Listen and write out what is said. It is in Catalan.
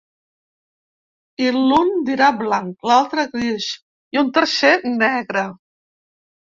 I l’un dirà blanc, l’altre gris i un tercer negre.